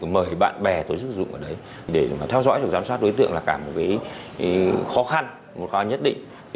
mời bạn bè tổ chức sử dụng ở đấy để theo dõi và giám sát đối tượng là cả một khó khăn nhất định